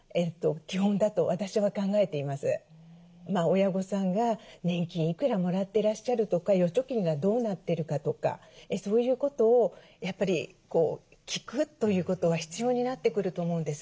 親御さんが年金いくらもらってらっしゃるとか預貯金がどうなってるかとかそういうことをやっぱり聞くということは必要になってくると思うんです。